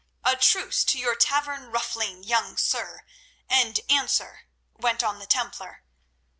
"A truce to your tavern ruffling, young sir, and answer," went on the Templar.